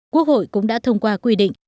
quốc hội cũng đã thông qua quy định